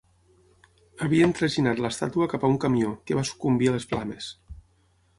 Havien traginat l'estàtua cap a un camió, que va sucumbir a les flames.